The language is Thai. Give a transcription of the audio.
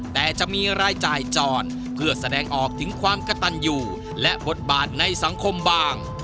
แต่จะมีรายจ่ายจรเพื่อแสดงออกถึงความกระตันอยู่และบทบาทในสังคมบาง